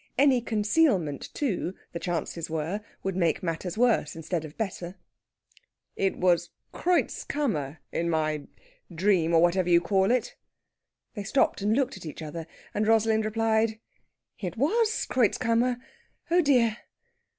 Any concealment, too, the chances were, would make matters worse instead of better. "It was Kreutzkammer, in my dream or whatever you call it." They stopped and looked at each other, and Rosalind replied, "It was Kreutzkammer. Oh dear!"